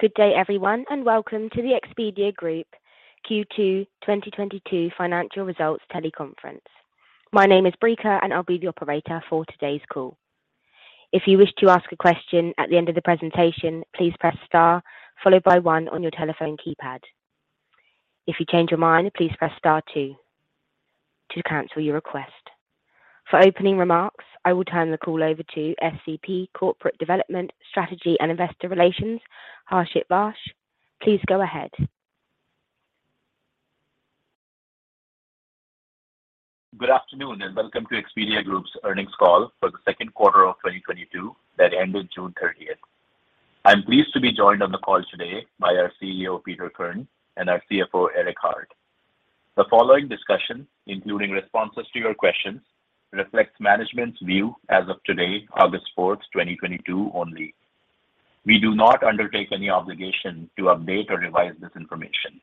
Good day, everyone, and welcome to the Expedia Group Q2 2022 financial results teleconference. My name is Brika, and I'll be the operator for today's call. If you wish to ask a question at the end of the presentation, please press star followed by one on your telephone keypad. If you change your mind, please press star two to cancel your request. For opening remarks, I will turn the call over to SVP, Corporate Development, Strategy, and Investor Relations, Harshit Vaish. Please go ahead. Good afternoon, and welcome to Expedia Group's earnings call for the second quarter of 2022 that ended June 30th. I'm pleased to be joined on the call today by our CEO, Peter Kern, and our CFO, Eric Hart. The following discussion, including responses to your questions, reflects management's view as of today, August 4th, 2022 only. We do not undertake any obligation to update or revise this information.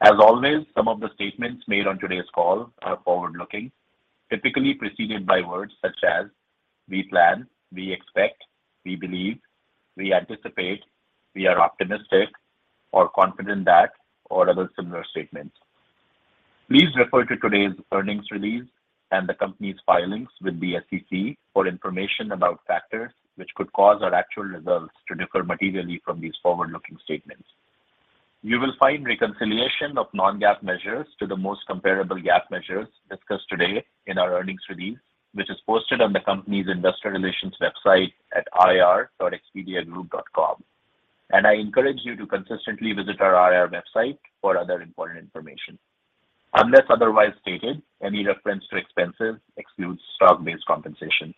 As always, some of the statements made on today's call are forward-looking, typically preceded by words such as we plan, we expect, we believe, we anticipate, we are optimistic or confident that, or other similar statements. Please refer to today's earnings release and the company's filings with the SEC for information about factors which could cause our actual results to differ materially from these forward-looking statements. You will find reconciliation of non-GAAP measures to the most comparable GAAP measures discussed today in our earnings release, which is posted on the company's investor relations website at ir.expediagroup.com. I encourage you to consistently visit our IR website for other important information. Unless otherwise stated, any reference to expenses excludes stock-based compensation.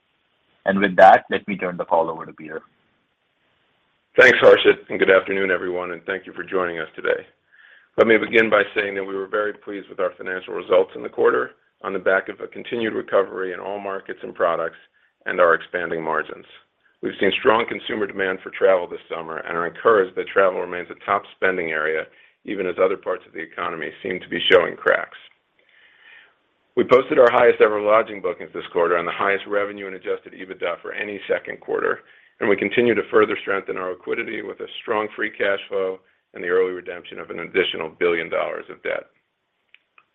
With that, let me turn the call over to Peter. Thanks, Harshit, and good afternoon, everyone, and thank you for joining us today. Let me begin by saying that we were very pleased with our financial results in the quarter on the back of a continued recovery in all markets and products and our expanding margins. We've seen strong consumer demand for travel this summer and are encouraged that travel remains a top spending area even as other parts of the economy seem to be showing cracks. We posted our highest-ever lodging bookings this quarter on the highest revenue and adjusted EBITDA for any second quarter, and we continue to further strengthen our liquidity with a strong free cash flow and the early redemption of an additional $1 billion of debt.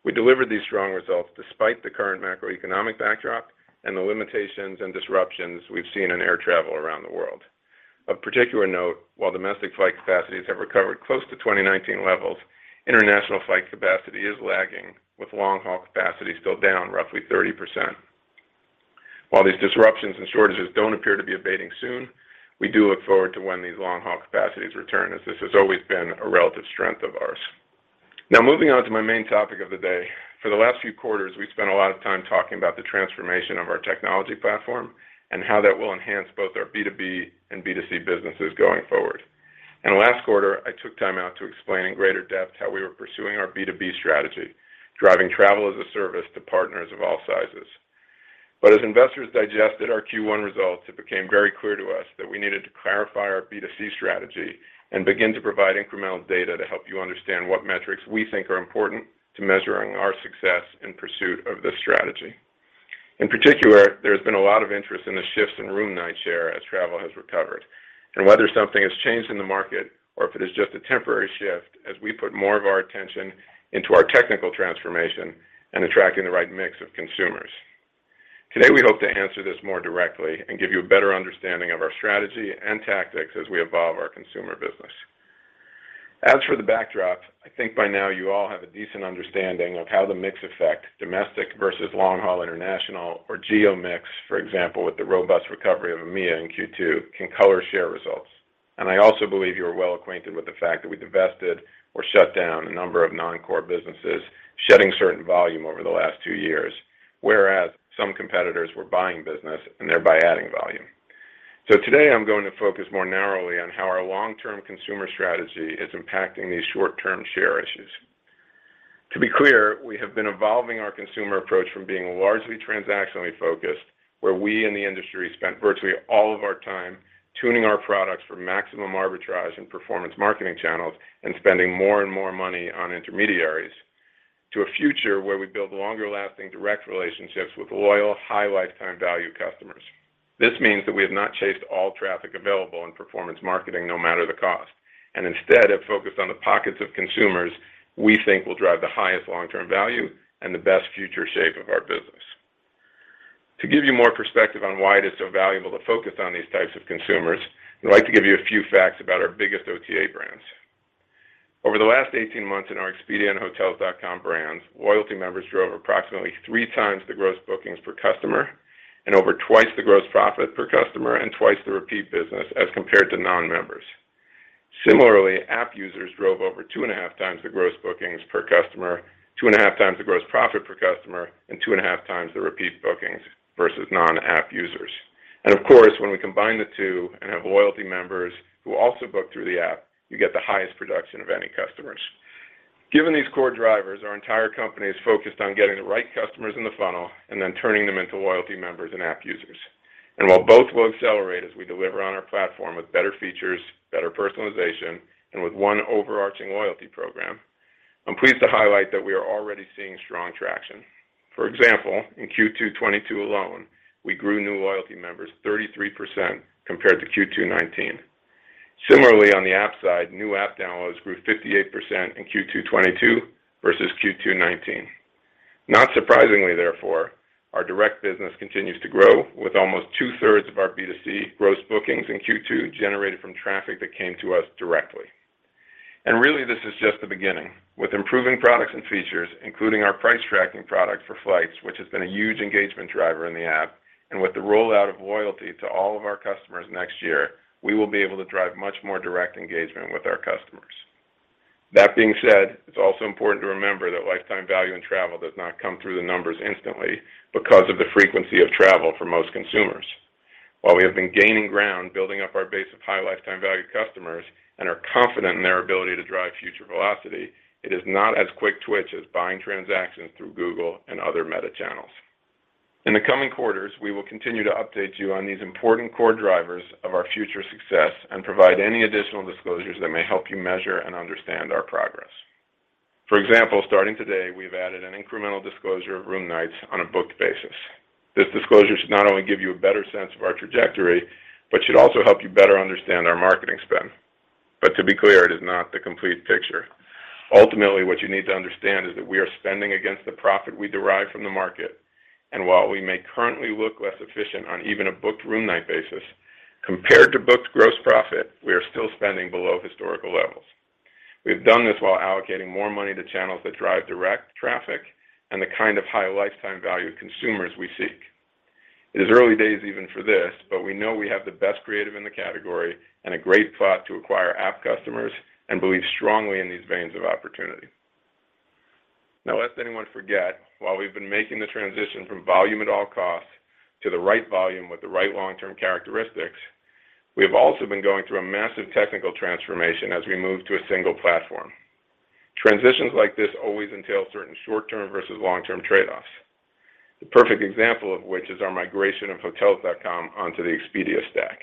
We delivered these strong results despite the current macroeconomic backdrop and the limitations and disruptions we've seen in air travel around the world. Of particular note, while domestic flight capacities have recovered close to 2019 levels, international flight capacity is lagging, with long-haul capacities still down roughly 30%. While these disruptions and shortages don't appear to be abating soon, we do look forward to when these long-haul capacities return, as this has always been a relative strength of ours. Now moving on to my main topic of the day. For the last few quarters, we've spent a lot of time talking about the transformation of our technology platform and how that will enhance both our B2B and B2C businesses going forward. Last quarter, I took time out to explain in greater depth how we were pursuing our B2B strategy, driving travel as a service to partners of all sizes. As investors digested our Q1 results, it became very clear to us that we needed to clarify our B2C strategy and begin to provide incremental data to help you understand what metrics we think are important to measuring our success in pursuit of this strategy. In particular, there has been a lot of interest in the shifts in room night share as travel has recovered and whether something has changed in the market or if it is just a temporary shift as we put more of our attention into our technical transformation and attracting the right mix of consumers. Today, we hope to answer this more directly and give you a better understanding of our strategy and tactics as we evolve our consumer business. As for the backdrop, I think by now you all have a decent understanding of how the mix effect, domestic versus long-haul international or geo mix, for example, with the robust recovery of EMEA in Q2, can color share results. I also believe you are well acquainted with the fact that we divested or shut down a number of non-core businesses, shedding certain volume over the last two years, whereas some competitors were buying business and thereby adding volume. Today I'm going to focus more narrowly on how our long-term consumer strategy is impacting these short-term share issues. To be clear, we have been evolving our consumer approach from being largely transactionally focused, where we in the industry spent virtually all of our time tuning our products for maximum arbitrage and performance marketing channels and spending more and more money on intermediaries, to a future where we build longer-lasting direct relationships with loyal, high lifetime value customers. This means that we have not chased all traffic available in performance marketing, no matter the cost, and instead have focused on the pockets of consumers we think will drive the highest long-term value and the best future shape of our business. To give you more perspective on why it is so valuable to focus on these types of consumers, we'd like to give you a few facts about our biggest OTA brands. Over the last 18 months in our Expedia and Hotels.com brands, loyalty members drove approximately 3x the gross bookings per customer and over twice the gross profit per customer and twice the repeat business as compared to non-members. Similarly, app users drove over 2.5x the gross bookings per customer, 2.5x the gross profit per customer, and 2.5x the repeat bookings versus non-app users. Of course, when we combine the two and have loyalty members who also book through the app, you get the highest production of any customers. Given these core drivers, our entire company is focused on getting the right customers in the funnel and then turning them into loyalty members and app users. While both will accelerate as we deliver on our platform with better features, better personalization, and with one overarching loyalty program. I'm pleased to highlight that we are already seeing strong traction. For example, in Q2 2022 alone, we grew new loyalty members 33% compared to Q2 2019. Similarly, on the app side, new app downloads grew 58% in Q2 2022 versus Q2 2019. Not surprisingly, therefore, our direct business continues to grow with almost 2/3 of our B2C gross bookings in Q2 generated from traffic that came to us directly. Really, this is just the beginning. With improving products and features, including our price tracking product for flights, which has been a huge engagement driver in the app, and with the rollout of loyalty to all of our customers next year, we will be able to drive much more direct engagement with our customers. That being said, it's also important to remember that lifetime value in travel does not come through the numbers instantly because of the frequency of travel for most consumers. While we have been gaining ground building up our base of high lifetime value customers and are confident in their ability to drive future velocity, it is not as quick twitch as buying transactions through Google and other meta channels. In the coming quarters, we will continue to update you on these important core drivers of our future success and provide any additional disclosures that may help you measure and understand our progress. For example, starting today, we've added an incremental disclosure of room nights on a booked basis. This disclosure should not only give you a better sense of our trajectory, but should also help you better understand our marketing spend. To be clear, it is not the complete picture. Ultimately, what you need to understand is that we are spending against the profit we derive from the market. While we may currently look less efficient on even a booked room night basis, compared to booked gross profit, we are still spending below historical levels. We've done this while allocating more money to channels that drive direct traffic and the kind of high lifetime value consumers we seek. It is early days even for this, but we know we have the best creative in the category and a great plan to acquire app customers and believe strongly in these veins of opportunity. Now, lest anyone forget, while we've been making the transition from volume at all costs to the right volume with the right long-term characteristics, we have also been going through a massive technical transformation as we move to a single platform. Transitions like this always entail certain short-term versus long-term trade-offs. The perfect example of which is our migration of Hotels.com onto the Expedia stack.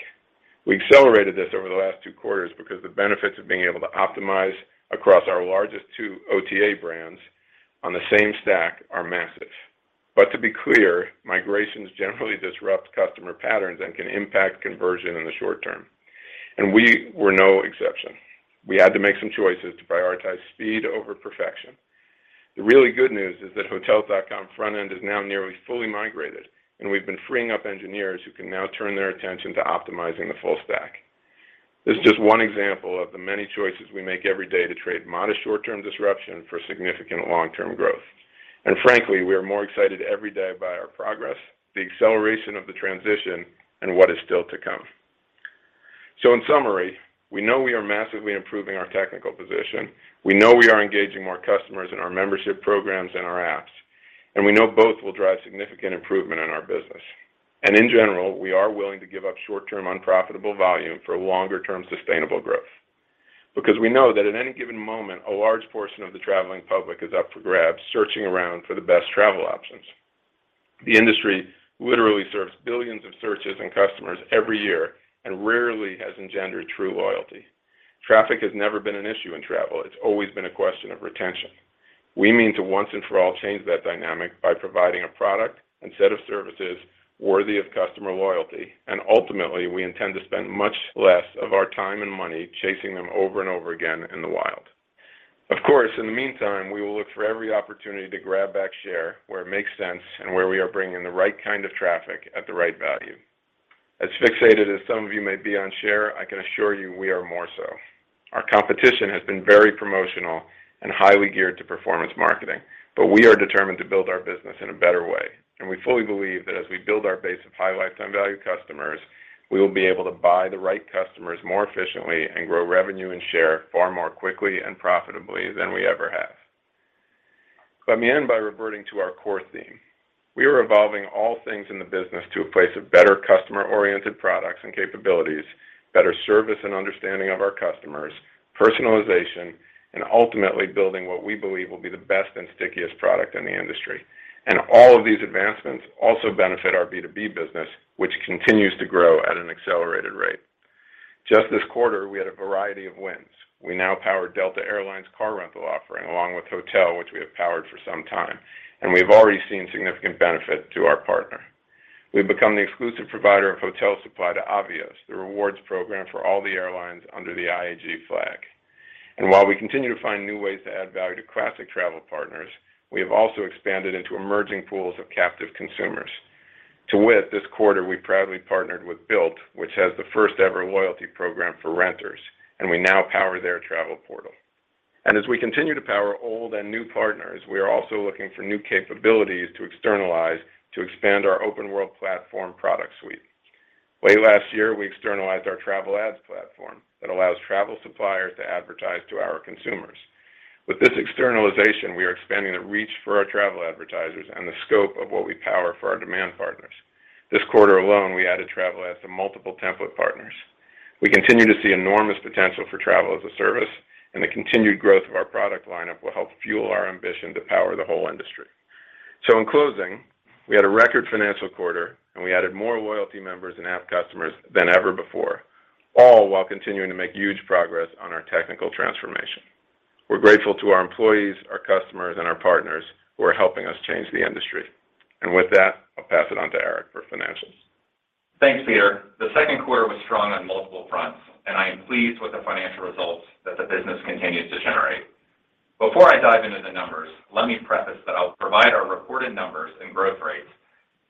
We accelerated this over the last two quarters because the benefits of being able to optimize across our largest two OTA brands on the same stack are massive. To be clear, migrations generally disrupt customer patterns and can impact conversion in the short term, and we were no exception. We had to make some choices to prioritize speed over perfection. The really good news is that Hotels.com front end is now nearly fully migrated, and we've been freeing up engineers who can now turn their attention to optimizing the full stack. This is just one example of the many choices we make every day to trade modest short-term disruption for significant long-term growth. Frankly, we are more excited every day by our progress, the acceleration of the transition, and what is still to come. In summary, we know we are massively improving our technical position. We know we are engaging more customers in our membership programs and our apps, and we know both will drive significant improvement in our business. In general, we are willing to give up short-term unprofitable volume for longer-term sustainable growth because we know that at any given moment, a large portion of the traveling public is up for grabs, searching around for the best travel options. The industry literally serves billions of searches and customers every year and rarely has engendered true loyalty. Traffic has never been an issue in travel. It's always been a question of retention. We mean to once and for all change that dynamic by providing a product and set of services worthy of customer loyalty. Ultimately, we intend to spend much less of our time and money chasing them over and over again in the wild. Of course, in the meantime, we will look for every opportunity to grab back share where it makes sense and where we are bringing the right kind of traffic at the right value. As fixated as some of you may be on share, I can assure you we are more so. Our competition has been very promotional and highly geared to performance marketing. We are determined to build our business in a better way, and we fully believe that as we build our base of high lifetime value customers, we will be able to buy the right customers more efficiently and grow revenue and share far more quickly and profitably than we ever have. Let me end by reverting to our core theme. We are evolving all things in the business to a place of better customer-oriented products and capabilities, better service and understanding of our customers, personalization, and ultimately building what we believe will be the best and stickiest product in the industry. All of these advancements also benefit our B2B business, which continues to grow at an accelerated rate. Just this quarter, we had a variety of wins. We now power Delta Air Lines car rental offering along with hotel, which we have powered for some time, and we've already seen significant benefit to our partner. We've become the exclusive provider of hotel supply to Avios, the rewards program for all the airlines under the IAG flag. While we continue to find new ways to add value to classic travel partners, we have also expanded into emerging pools of captive consumers. To wit, this quarter we proudly partnered with Bilt, which has the first ever loyalty program for renters, and we now power their travel portal. As we continue to power old and new partners, we are also looking for new capabilities to externalize to expand our Open World platform product suite. Way last year, we externalized our travel ads platform that allows travel suppliers to advertise to our consumers. With this externalization, we are expanding the reach for our travel advertisers and the scope of what we power for our demand partners. This quarter alone, we added travel ads to multiple template partners. We continue to see enormous potential for travel as a service and the continued growth of our product lineup will help fuel our ambition to power the whole industry. In closing, we had a record financial quarter, and we added more loyalty members and app customers than ever before, all while continuing to make huge progress on our technical transformation. We're grateful to our employees, our customers, and our partners who are helping us change the industry. With that, I'll pass it on to Eric for financials. Thanks, Peter. The second quarter was strong on multiple fronts, and I am pleased with the financial results that the business continues to generate. Before I dive into the numbers, let me preface that I'll provide our reported numbers and growth rates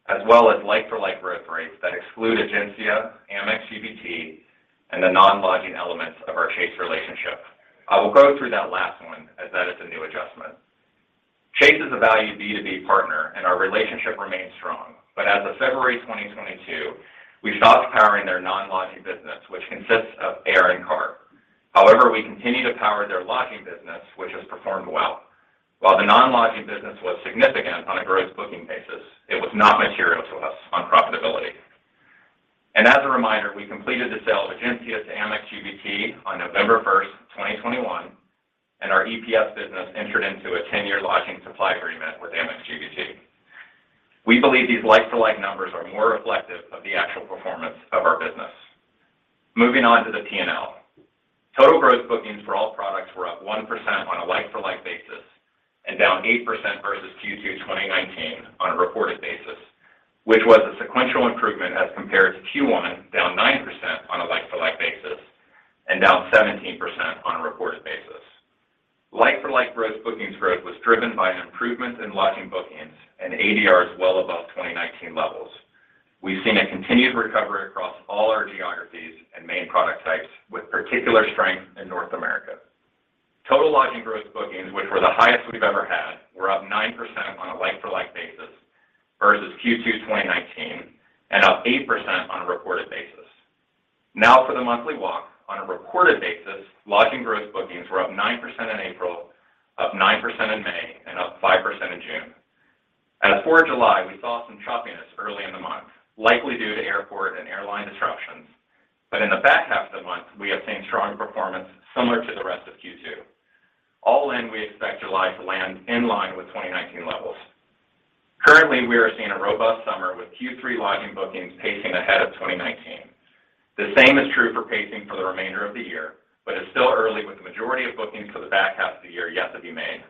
as well as like-for-like growth rates that exclude Egencia, Amex GBT, and the non-lodging elements of our Chase relationship. I will go through that last one as that is a new adjustment. Chase is a valued B2B partner, and our relationship remains strong. As of February 2022, we stopped powering their non-lodging business, which consists of air and car. However, we continue to power their lodging business, which has performed well. While the non-lodging business was significant on a gross booking basis, it was not material to us on profitability. As a reminder, we completed the sale of Egencia to Amex GBT on November 1st, 2021, and our EPS business entered into a 10-year lodging supply agreement with Amex GBT. We believe these like-for-like numbers are more reflective of the actual performance of our business. Moving on to the P&L. Total gross bookings for all products were up 1% on a like-for-like basis and down 8% versus Q2 2019 on a reported basis, which was a sequential improvement as compared to Q1, down 9% on a like-for-like basis and down 17% on a reported basis. Like-for-like gross bookings growth was driven by an improvement in lodging bookings and ADRs well above 2019 levels. We've seen a continued recovery across all our geographies and main product types, with particular strength in North America. Total lodging gross bookings, which were the highest we've ever had, were up 9% on a like-for-like basis versus Q2 2019 and up 8% on a reported basis. Now for the monthly walk. On a reported basis, lodging gross bookings were up 9% in April, up 9% in May, and up 5% in June. As for July, we saw some choppiness early in the month, likely due to airport and airline disruptions. In the back half of the month, we have seen strong performance similar to the rest of Q2. All in, we expect July to land in line with 2019 levels. Currently, we are seeing a robust summer with Q3 lodging bookings pacing ahead of 2019. The same is true for pacing for the remainder of the year, but it's still early with the majority of bookings for the back half of the year yet to be made.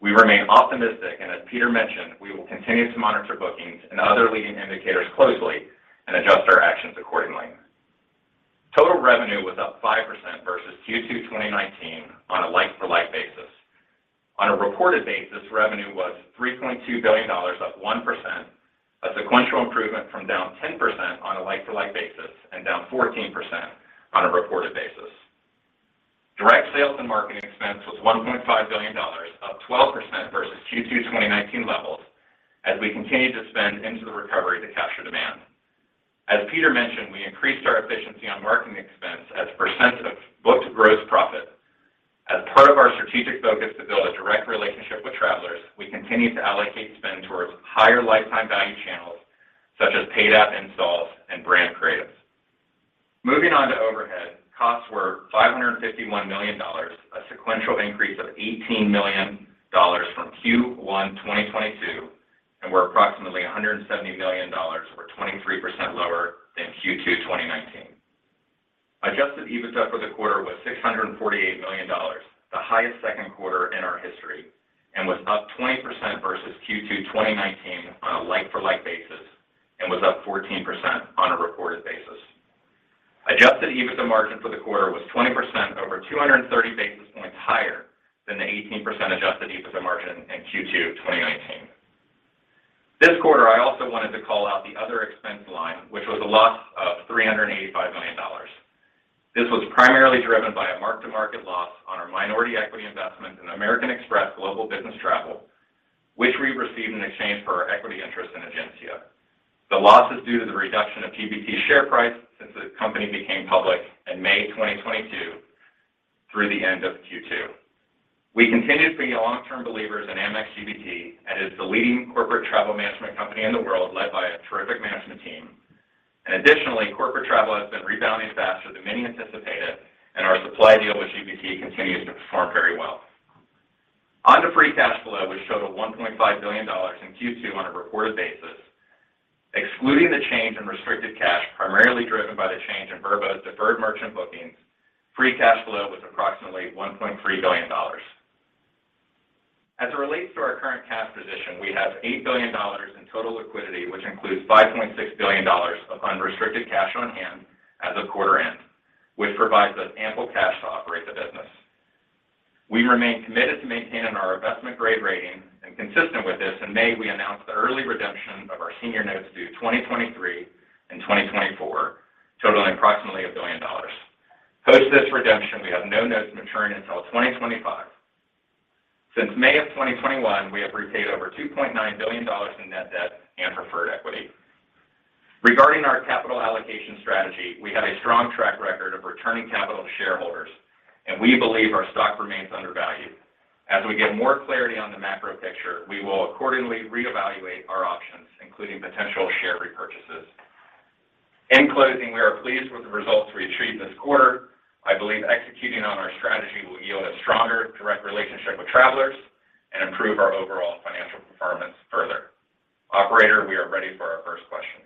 We remain optimistic, and as Peter mentioned, we will continue to monitor bookings and other leading indicators closely and adjust our actions accordingly. Total revenue was up 5% versus Q2 2019 on a like-for-like basis. On a reported basis, revenue was $3.2 billion, up 1%, a sequential improvement from down 10% on a like-for-like basis and down 14% on a reported basis. Direct sales and marketing expense was $1.5 billion, up 12% versus Q2 2019 levels, as we continue to spend into the recovery to capture demand. As Peter mentioned, we increased our efficiency on marketing expense as a percent of booked gross profit. As part of our strategic focus to build a direct relationship with travelers, we continue to allocate spend towards higher lifetime value channels, such as paid app installs and brand creatives. Moving on to overhead, costs were $551 million, a sequential increase of $18 million from Q1 2022, and were approximately $170 million, or 23% lower than Q2 2019. Adjusted EBITDA for the quarter was $648 million, the highest second quarter in our history, and was up 20% versus Q2 2019 on a like-for-like basis and was up 14% on a reported basis. Adjusted EBITDA margin for the quarter was 20%, over 230 basis points higher than the 18% adjusted EBITDA margin in Q2 2019. This quarter, I also wanted to call out the other expense line, which was a loss of $385 million. This was primarily driven by a mark-to-market loss on our minority equity investment in American Express Global Business Travel, which we received in exchange for our equity interest in Egencia. The loss is due to the reduction of GBT's share price since the company became public in May 2022 through the end of Q2. We continue to be long-term believers in Amex GBT, and it is the leading corporate travel management company in the world, led by a terrific management team. Additionally, corporate travel has been rebounding faster than many anticipated, and our supply deal with GBT continues to perform very well. On to free cash flow, which showed a $1.5 billion in Q2 on a reported basis. Excluding the change in restricted cash, primarily driven by the change in Vrbo's deferred merchant bookings, free cash flow was approximately $1.3 billion. As it relates to our current cash position, we have $8 billion in total liquidity, which includes $5.6 billion of unrestricted cash on hand as of quarter end, which provides us ample cash to operate the business. We remain committed to maintaining our investment-grade rating, and consistent with this, in May, we announced the early redemption of our senior notes due 2023 and 2024, totaling approximately $1 billion. Post this redemption, we have no notes maturing until 2025. Since May of 2021, we have repaid over $2.9 billion in net debt and preferred equity. Regarding our capital allocation strategy, we have a strong track record of returning capital to shareholders, and we believe our stock remains undervalued. As we get more clarity on the macro picture, we will accordingly reevaluate our options, including potential share repurchases. In closing, we are pleased with the results we achieved this quarter. I believe executing on our strategy will yield a stronger direct relationship with travelers and improve our overall financial performance further. Operator, we are ready for our first question.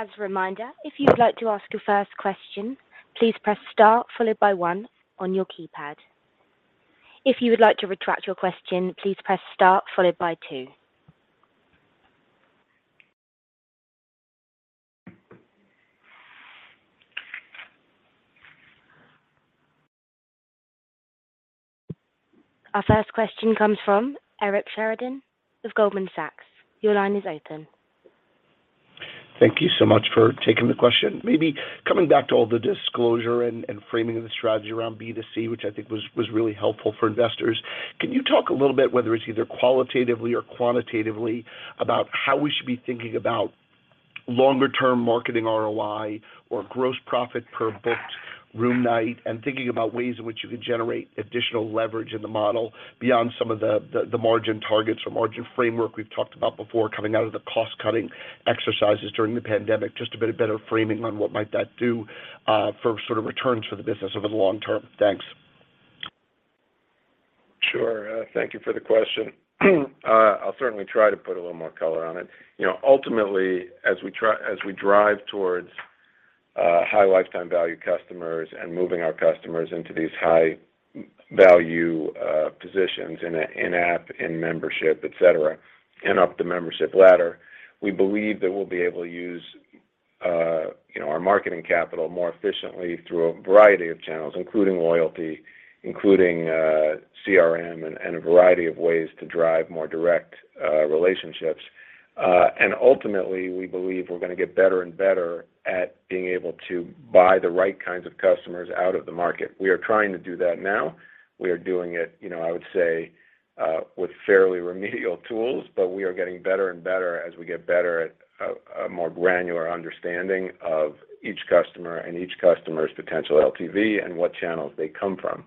As a reminder, if you would like to ask your first question, please press star followed by one on your keypad. If you would like to retract your question, please press star followed by two. Our first question comes from Eric Sheridan of Goldman Sachs. Your line is open. Thank you so much for taking the question. Maybe coming back to all the disclosure and framing of the strategy around B2C, which I think was really helpful for investors. Can you talk a little bit, whether it's either qualitatively or quantitatively, about how we should be thinking about longer-term marketing ROI or gross profit per booked room night, and thinking about ways in which you could generate additional leverage in the model beyond some of the margin targets or margin framework we've talked about before coming out of the cost-cutting exercises during the pandemic? Just a bit of better framing on what might that do for sort of returns for the business over the long term. Thanks. Sure. Thank you for the question. I'll certainly try to put a little more color on it. You know, ultimately, as we drive towards high lifetime value customers and moving our customers into these high value positions in-app, in membership, et cetera, and up the membership ladder, we believe that we'll be able to use, you know, our marketing capital more efficiently through a variety of channels, including loyalty, including CRM and a variety of ways to drive more direct relationships. Ultimately, we believe we're gonna get better and better at being able to buy the right kinds of customers out of the market. We are trying to do that now. We are doing it, you know, I would say, with fairly remedial tools, but we are getting better and better as we get better at a more granular understanding of each customer and each customer's potential LTV and what channels they come from.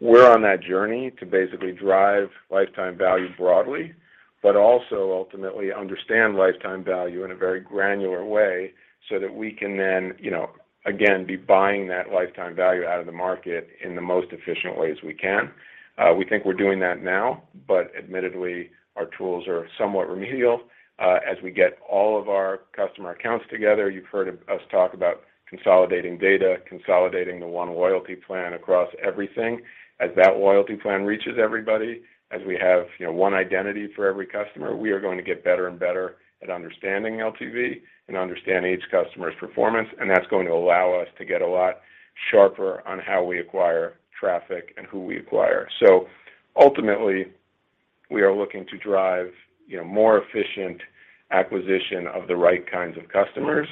We're on that journey to basically drive lifetime value broadly, but also ultimately understand lifetime value in a very granular way so that we can then, you know, again, be buying that lifetime value out of the market in the most efficient ways we can. We think we're doing that now, but admittedly, our tools are somewhat remedial. As we get all of our customer accounts together, you've heard of us talk about consolidating data, consolidating the one loyalty plan across everything. As that loyalty plan reaches everybody, as we have, you know, one identity for every customer, we are going to get better and better at understanding LTV and understanding each customer's performance, and that's going to allow us to get a lot sharper on how we acquire traffic and who we acquire. Ultimately, we are looking to drive, you know, more efficient acquisition of the right kinds of customers.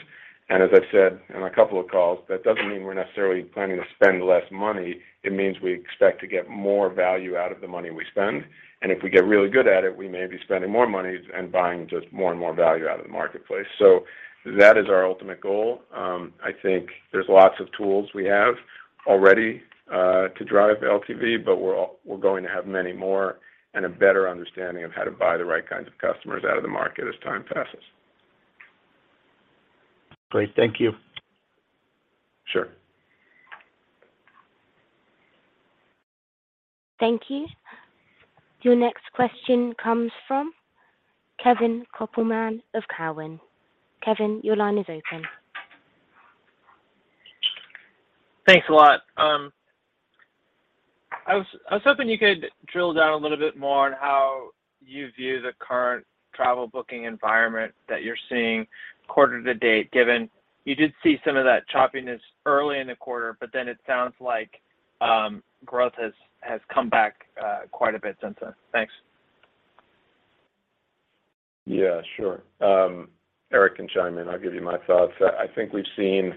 As I said in a couple of calls, that doesn't mean we're necessarily planning to spend less money. It means we expect to get more value out of the money we spend. If we get really good at it, we may be spending more money and buying just more and more value out of the marketplace. That is our ultimate goal. I think there's lots of tools we have already to drive LTV, but we're going to have many more and a better understanding of how to buy the right kinds of customers out of the market as time passes. Great. Thank you. Sure. Thank you. Your next question comes from Kevin Kopelman of Cowen. Kevin, your line is open. Thanks a lot. I was hoping you could drill down a little bit more on how you view the current travel booking environment that you're seeing quarter to date, given you did see some of that choppiness early in the quarter, but then it sounds like growth has come back quite a bit since then. Thanks. Yeah, sure. Eric can chime in. I'll give you my thoughts. I think we've seen,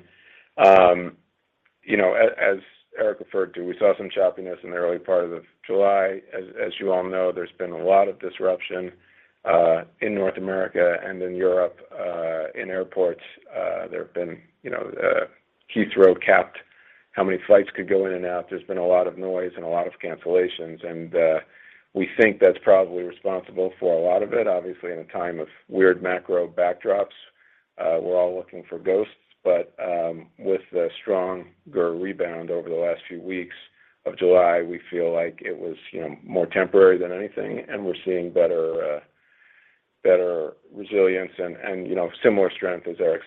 you know, as Eric referred to, we saw some choppiness in the early part of July. As you all know, there's been a lot of disruption in North America and in Europe in airports. There have been, you know, Heathrow capped how many flights could go in and out. There's been a lot of noise and a lot of cancellations, and we think that's probably responsible for a lot of it. Obviously, in a time of weird macro backdrops, we're all looking for ghosts. With the stronger rebound over the last few weeks of July, we feel like it was, you know, more temporary than anything, and we're seeing better resilience and, you know, similar strength, as Eric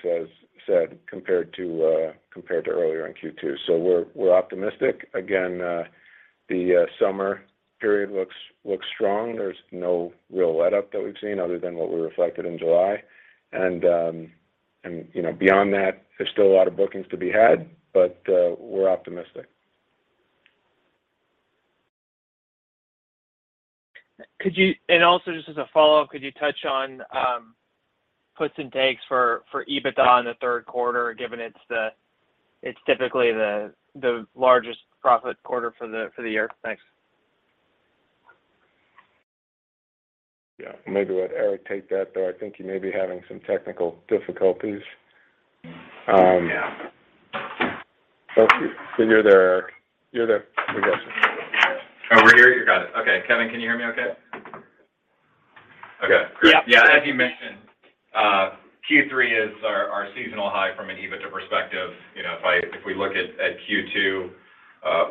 said, compared to earlier in Q2. We're optimistic. Again, the summer period looks strong. There's no real letup that we've seen other than what we reflected in July. You know, beyond that, there's still a lot of bookings to be had, but we're optimistic. Just as a follow-up, could you touch on puts and takes for EBITDA in the third quarter, given it's typically the largest profit quarter for the year? Thanks. Yeah, maybe let Eric take that, though I think he may be having some technical difficulties. Yeah. Okay. You're there, Eric. Go ahead, sir. Oh, we're here? You got it. Okay. Kevin, can you hear me okay? Okay. Great. Yeah. As you mentioned, Q3 is our seasonal high from an EBITDA perspective. You know, if we look at Q2,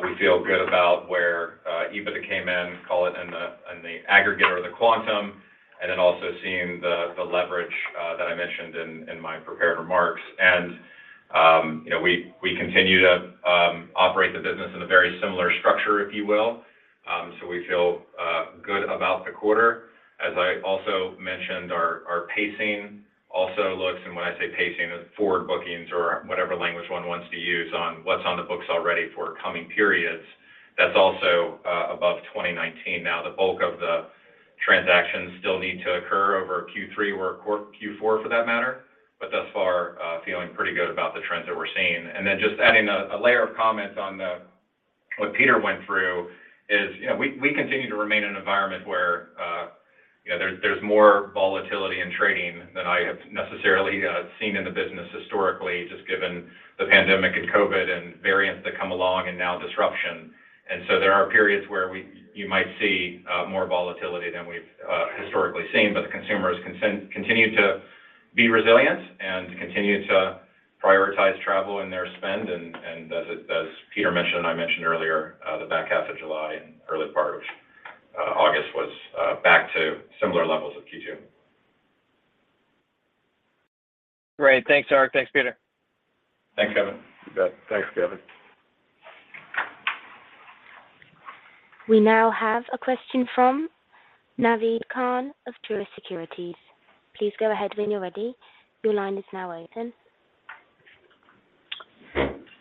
we feel good about where EBITDA came in, call it in the aggregate or the quantum, and then also seeing the leverage that I mentioned in my prepared remarks. You know, we continue to operate the business in a very similar structure, if you will, so we feel good about the quarter. As I also mentioned, our pacing also looks, and when I say pacing, it's forward bookings or whatever language one wants to use on what's on the books already for coming periods. That's also above 2019 now. The bulk of the transactions still need to occur over Q3 or Q4 for that matter, but thus far, feeling pretty good about the trends that we're seeing. Then just adding a layer of comment on what Peter went through is, you know, we continue to remain in an environment where, you know, there's more volatility in trading than I have necessarily seen in the business historically, just given the pandemic and COVID and variants that come along and now disruption. There are periods where you might see more volatility than we've historically seen, but the consumers continue to be resilient and continue to prioritize travel in their spend. As Peter mentioned and I mentioned earlier, the back half of July and early part of August was back to similar levels of Q2. Great. Thanks, Eric. Thanks, Peter. Thanks, Kevin. You bet. Thanks, Kevin. We now have a question from Naved Khan of Truist Securities. Please go ahead when you're ready. Your line is now open.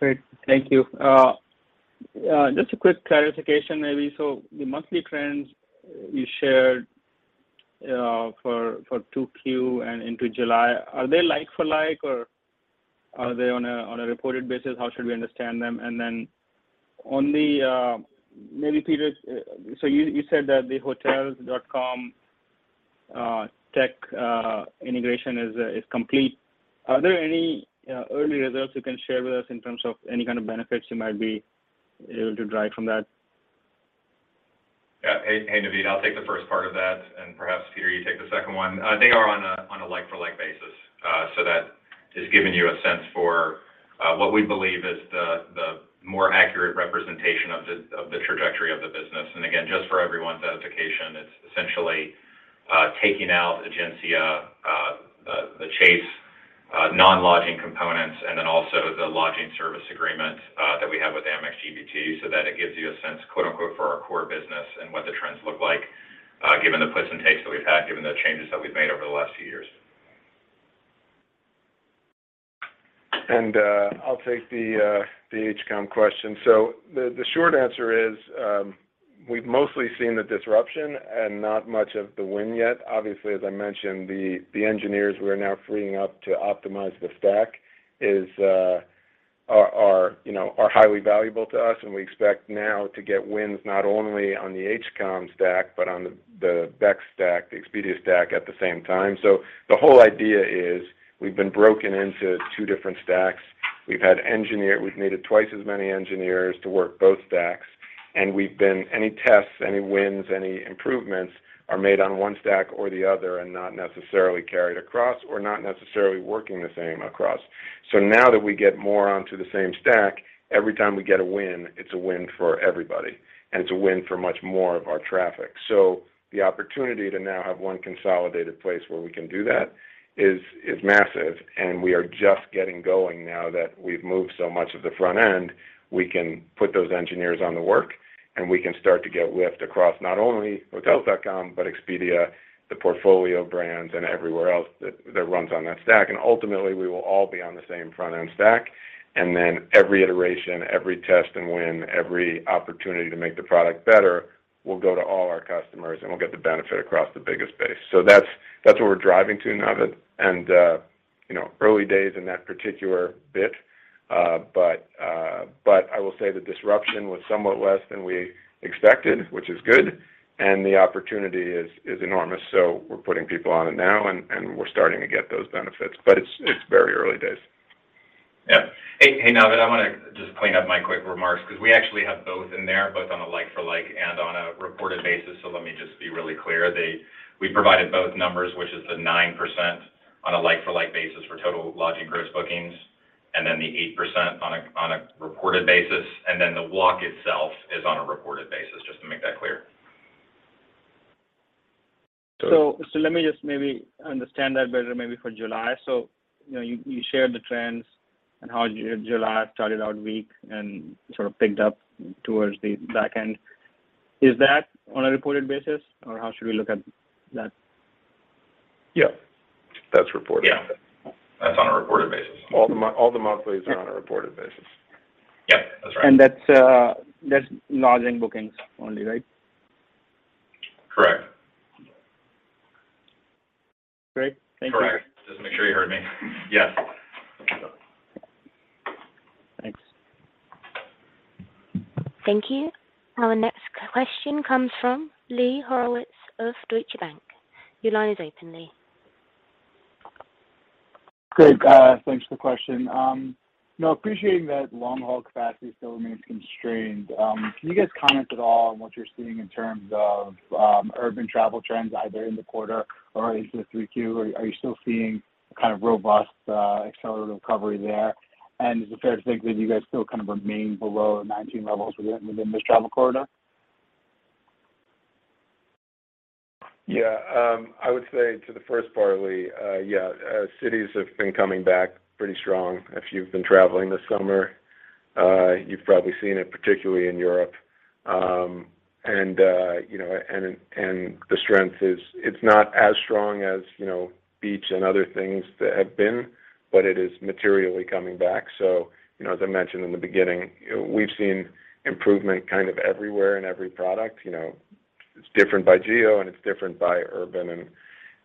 Great. Thank you. Just a quick clarification, maybe. The monthly trends you shared for 2Q and into July, are they like for like, or are they on a reported basis? How should we understand them? Maybe Peter. You said that the Hotels.com tech integration is complete. Are there any early results you can share with us in terms of any kind of benefits you might be able to derive from that? Yeah. Hey, Navid, I'll take the first part of that, and perhaps, Peter, you take the second one. They are on a like for like basis. So that is giving you a sense for what we believe is the more accurate representation of the trajectory of the business. Again, just for everyone's edification, it's essentially taking out Egencia, the Chase non-lodging components, and then also the lodging service agreement that we have with Amex GBT so that it gives you a sense, quote-unquote, for our core business and what the trends look like, given the puts and takes that we've had, given the changes that we've made over the last few years. I'll take the HCOM question. The short answer is, we've mostly seen the disruption and not much of the win yet. Obviously, as I mentioned, the engineers we're now freeing up to optimize the stack are highly valuable to us, and we expect now to get wins not only on the HCOM stack but on the BEX stack, the Expedia stack at the same time. The whole idea is we've been broken into two different stacks. We've needed twice as many engineers to work both stacks, and any tests, any wins, any improvements are made on one stack or the other and not necessarily carried across or not necessarily working the same across. Now that we get more onto the same stack, every time we get a win, it's a win for everybody, and it's a win for much more of our traffic. The opportunity to now have one consolidated place where we can do that is massive, and we are just getting going now that we've moved so much of the front end. We can put those engineers on the work, and we can start to get lift across not only Hotels.com, but Expedia, the portfolio brands, and everywhere else that runs on that stack. Ultimately, we will all be on the same front-end stack, and then every iteration, every test and win, every opportunity to make the product better will go to all our customers, and we'll get the benefit across the biggest base. That's what we're driving to, Navid, and you know, early days in that particular bit. I will say the disruption was somewhat less than we expected, which is good, and the opportunity is enormous. We're putting people on it now, and we're starting to get those benefits. It's very early days. Yeah. Hey, Navid, I wanna just clean up my quick remarks because we actually have both in there, both on a like for like and on a reported basis. Let me just be really clear. We provided both numbers, which is the 9% on a like for like basis for total lodging gross bookings, and then the 8% on a reported basis, and then the walk itself is on a reported basis, just to make that clear. Let me just maybe understand that better maybe for July. You know, you shared the trends and how July started out weak and sort of picked up towards the back end. Is that on a reported basis, or how should we look at that? Yeah. That's reported. Yeah. That's on a reported basis. All the monthlies are on a reported basis. Yeah, that's right. That's lodging bookings only, right? Correct. Great. Thank you. Correct. Just make sure you heard me. Yes. Thanks. Thank you. Our next question comes from Lee Horowitz of Deutsche Bank. Your line is open, Lee. Great. Thanks for the question. You know, appreciating that long-haul capacity still remains constrained, can you guys comment at all on what you're seeing in terms of urban travel trends, either in the quarter or into 3Q? Are you still seeing a kind of robust accelerated recovery there? Is it fair to think that you guys still kind of remain below the 2019 levels within this travel corridor? Yeah. I would say to the first part, Lee, yeah. Cities have been coming back pretty strong. If you've been traveling this summer, you've probably seen it, particularly in Europe. You know, the strength is it's not as strong as, you know, beach and other things that have been, but it is materially coming back. You know, as I mentioned in the beginning, we've seen improvement kind of everywhere in every product. You know, it's different by geo, and it's different by urban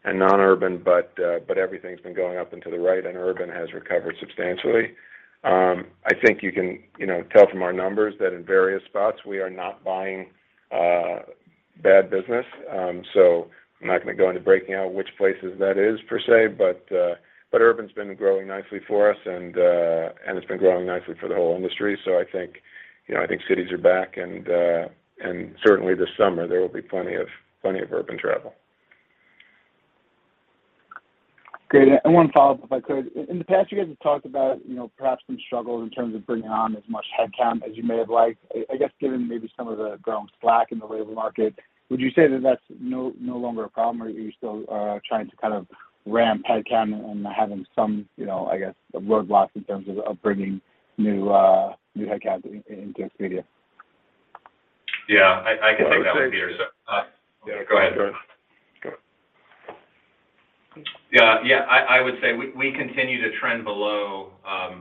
and non-urban, but everything's been going up and to the right, and urban has recovered substantially. I think you can, you know, tell from our numbers that in various spots we are not buying bad business. I'm not gonna go into breaking out which places that is per se, but urban's been growing nicely for us and it's been growing nicely for the whole industry. I think, you know, I think cities are back and certainly this summer there will be plenty of urban travel. Great. One follow-up, if I could. In the past, you guys have talked about, you know, perhaps some struggles in terms of bringing on as much headcount as you may have liked. I guess, given maybe some of the growing slack in the labor market, would you say that that's no longer a problem or are you still trying to kind of ramp headcount and having some, you know, I guess, roadblocks in terms of bringing new headcount into Expedia? Yeah. I can take that one, Peter. Well, I would say. So, uh. Yeah, go ahead. Yeah, go. Yeah. Yeah. I would say we continue to trend below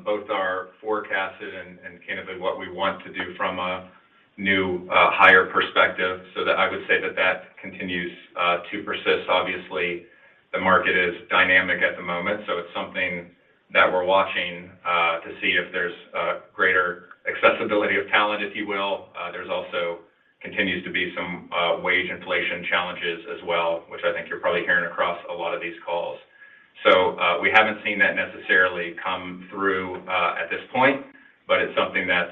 both our forecasted and kind of what we want to do from a new hire perspective. That continues to persist. Obviously, the market is dynamic at the moment, so it's something that we're watching to see if there's greater accessibility of talent, if you will. There also continues to be some wage inflation challenges as well, which I think you're probably hearing across a lot of these calls. We haven't seen that necessarily come through at this point, but it's something that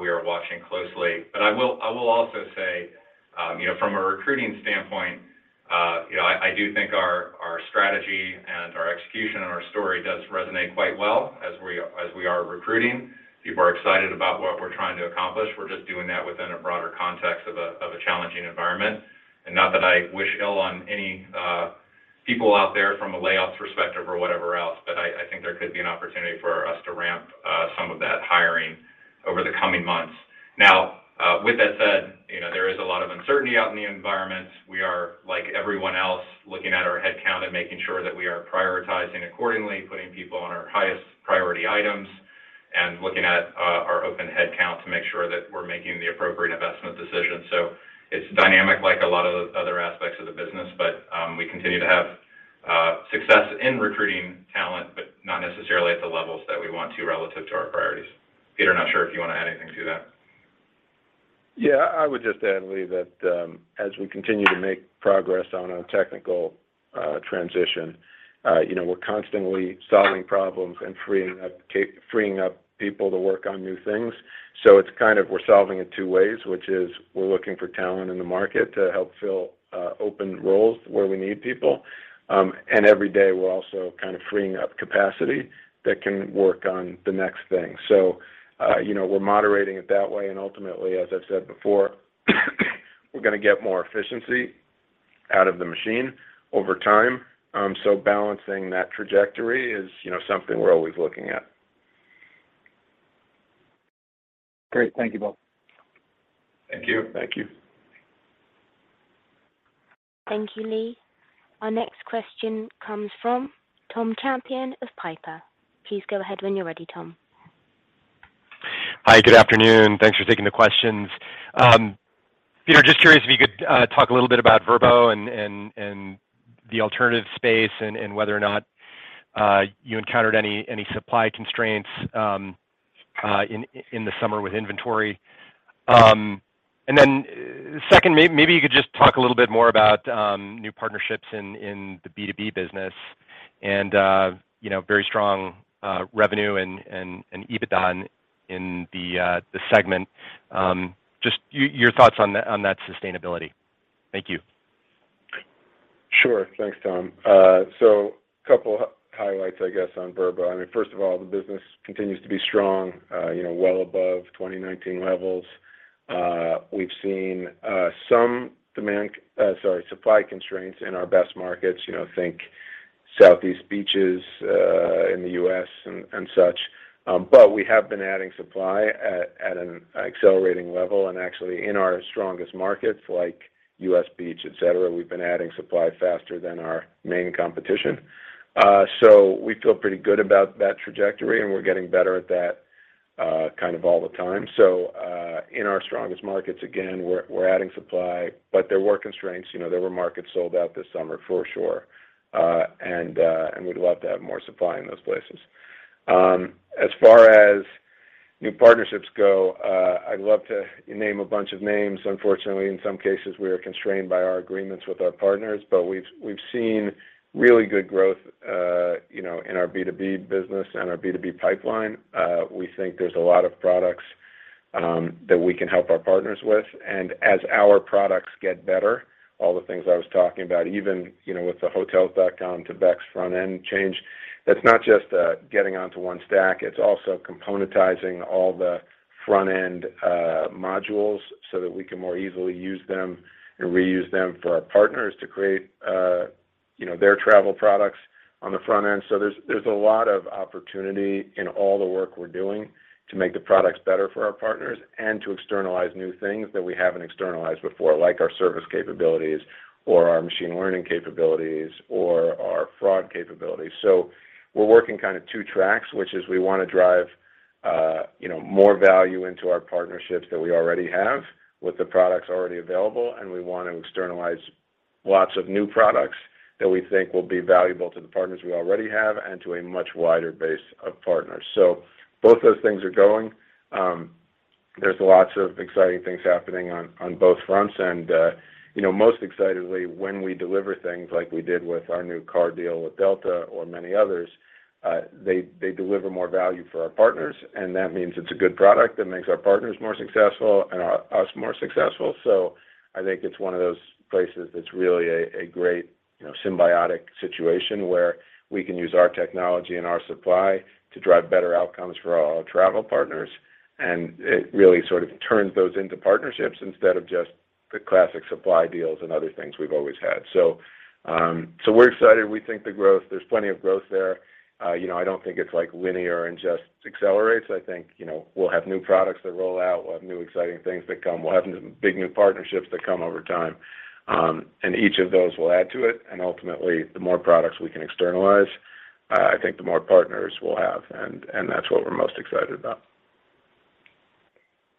we are watching closely. I will also say, you know, from a recruiting standpoint, you know, I do think our strategy and our execution and our story does resonate quite well as we are recruiting. People are excited about what we're trying to accomplish. We're just doing that within a broader context of a challenging environment. Not that I wish ill on any people out there from a layoffs perspective or whatever else, but I think there could be an opportunity for us to ramp some of that hiring over the coming months. Now, with that said, you know, there is a lot of uncertainty out in the environment. We are, like everyone else, looking at our headcount and making sure that we are prioritizing accordingly, putting people on our highest priority items, and looking at our open headcount to make sure that we're making the appropriate investment decisions. It's dynamic like a lot of other aspects of the business, but we continue to have success in recruiting talent, but not necessarily at the levels that we want to relative to our priorities. Peter, not sure if you wanna add anything to that. Yeah, I would just add, Lee, that as we continue to make progress on our technical transition, you know, we're constantly solving problems and freeing up people to work on new things. It's kind of we're solving it two ways, which is we're looking for talent in the market to help fill open roles where we need people, and every day, we're also kind of freeing up capacity that can work on the next thing. You know, we're moderating it that way, and ultimately, as I've said before, we're gonna get more efficiency out of the machine over time. Balancing that trajectory is, you know, something we're always looking at. Great. Thank you both. Thank you. Thank you. Thank you, Lee. Our next question comes from Tom Champion of Piper. Please go ahead when you're ready, Tom. Hi. Good afternoon. Thanks for taking the questions. Peter, just curious if you could talk a little bit about Vrbo and the alternative space and whether or not you encountered any supply constraints in the summer with inventory. Second, maybe you could just talk a little bit more about new partnerships in the B2B business and you know, very strong revenue and EBITDA in the segment. Just your thoughts on that sustainability. Thank you. Sure. Thanks, Tom. Couple highlights, I guess, on Vrbo. I mean, first of all, the business continues to be strong, you know, well above 2019 levels. We've seen some supply constraints in our best markets. You know, think southeast beaches in the U.S. and such. But we have been adding supply at an accelerating level, and actually, in our strongest markets like U.S. beach, et cetera, we've been adding supply faster than our main competition. We feel pretty good about that trajectory, and we're getting better at that kind of all the time. In our strongest markets, again, we're adding supply, but there were constraints. You know, there were markets sold out this summer for sure, and we'd love to have more supply in those places. As far as new partnerships go, I'd love to name a bunch of names. Unfortunately, in some cases we are constrained by our agreements with our partners. We've seen really good growth, you know, in our B2B business and our B2B pipeline. We think there's a lot of products that we can help our partners with. As our products get better, all the things I was talking about, even, you know, with the Hotels.com to BEX front end change, that's not just getting onto one stack, it's also componentizing all the front end modules so that we can more easily use them and reuse them for our partners to create, you know, their travel products on the front end. There's a lot of opportunity in all the work we're doing to make the products better for our partners and to externalize new things that we haven't externalized before, like our service capabilities or our machine learning capabilities or our fraud capabilities. We're working kind of two tracks, which is we want to drive, you know, more value into our partnerships that we already have with the products already available, and we want to externalize lots of new products that we think will be valuable to the partners we already have and to a much wider base of partners. Both those things are going. There's lots of exciting things happening on both fronts. You know, most excitedly, when we deliver things like we did with our new car deal with Delta or many others, they deliver more value for our partners, and that means it's a good product that makes our partners more successful and us more successful. I think it's one of those places that's really a great, you know, symbiotic situation where we can use our technology and our supply to drive better outcomes for all our travel partners. It really sort of turns those into partnerships instead of just the classic supply deals and other things we've always had. We're excited. We think the growth. There's plenty of growth there. You know, I don't think it's like linear and just accelerates. I think, you know, we'll have new products that roll out. We'll have new exciting things that come. We'll have big new partnerships that come over time. And each of those will add to it. And ultimately, the more products we can externalize, I think the more partners we'll have, and that's what we're most excited about.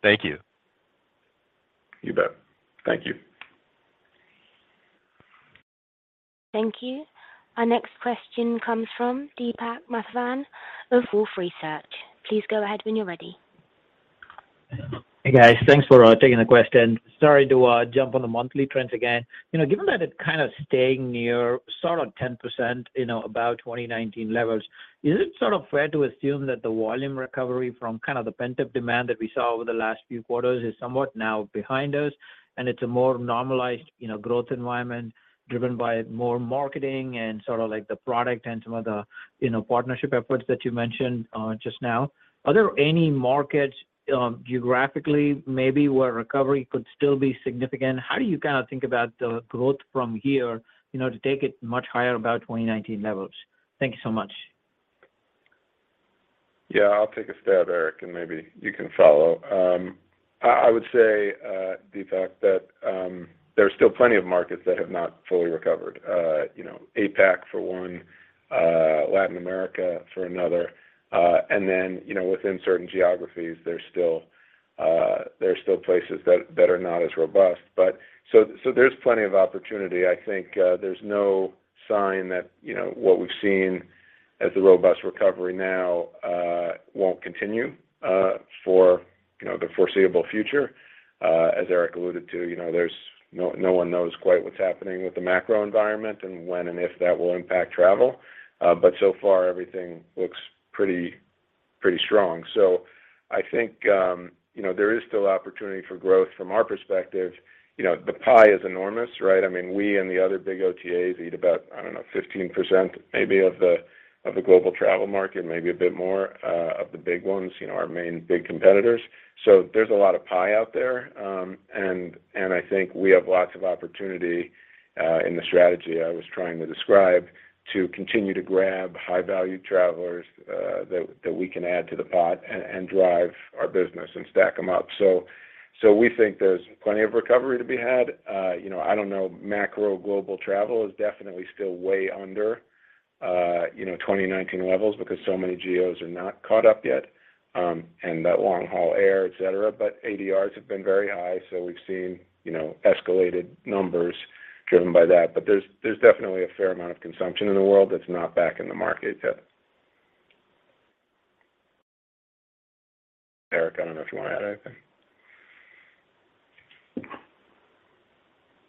Thank you. You bet. Thank you. Thank you. Our next question comes from Deepak Mathivanan of Wolfe Research. Please go ahead when you're ready. Hey, guys. Thanks for taking the question. Sorry to jump on the monthly trends again. You know, given that it's kind of staying near sort of 10%, you know, about 2019 levels, is it sort of fair to assume that the volume recovery from kind of the pent-up demand that we saw over the last few quarters is somewhat now behind us and it's a more normalized, you know, growth environment driven by more marketing and sort of like the product and some of the, you know, partnership efforts that you mentioned just now? Are there any markets, geographically maybe where recovery could still be significant? How do you kind of think about the growth from here, you know, to take it much higher about 2019 levels? Thank you so much. Yeah. I'll take a stab, Eric, and maybe you can follow. I would say, Deepak, that there are still plenty of markets that have not fully recovered. You know, APAC for one, Latin America for another. Then, you know, within certain geographies, there are still places that are not as robust. There's plenty of opportunity. I think there's no sign that, you know, what we've seen as a robust recovery now won't continue for, you know, the foreseeable future. As Eric alluded to, you know, no one knows quite what's happening with the macro environment and when and if that will impact travel. So far everything looks pretty strong. I think, you know, there is still opportunity for growth from our perspective. You know, the pie is enormous, right? I mean, we and the other big OTAs eat about, I don't know, 15% maybe of the global travel market, maybe a bit more, of the big ones, you know, our main big competitors. There's a lot of pie out there. I think we have lots of opportunity in the strategy I was trying to describe, to continue to grab high-value travelers that we can add to the pot and drive our business and stack them up. We think there's plenty of recovery to be had. You know, I don't know. Macro global travel is definitely still way under, you know, 2019 levels because so many geos are not caught up yet, and that long-haul air, etc. ADRs have been very high, so we've seen, you know, escalated numbers driven by that. There's definitely a fair amount of consumption in the world that's not back in the market yet. Eric, I don't know if you want to add anything.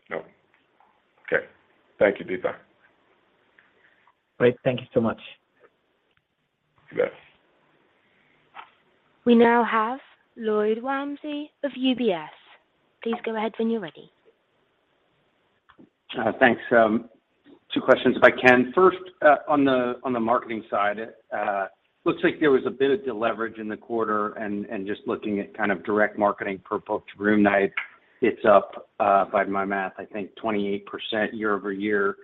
No? Okay. Thank you, Deepak. Great. Thank you so much. You bet. We now have Lloyd Walmsley of UBS. Please go ahead when you're ready. Thanks. Two questions if I can. First, on the marketing side, looks like there was a bit of deleverage in the quarter, and just looking at kind of direct marketing per booked room night, it's up, by my math, I think 28% year-over-year.